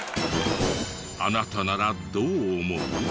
あなたならどう思う？